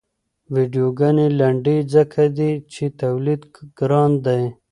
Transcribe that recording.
ویډیوګانې لنډې ځکه دي چې تولید ګران دی.